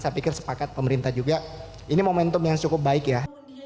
saya pikir sepakat pemerintah juga ini momentum yang cukup baik ya